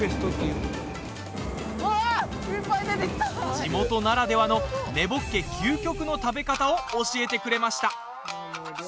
地元ならではの根ぼっけ究極の食べ方を教えてくれました。